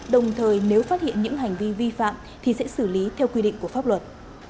đồng thời nếu phát hiện những hành vi vi phạm thì sẽ xử lý theo quy định của pháp luật